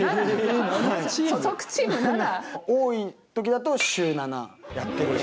多い時だと週７やってるっていう。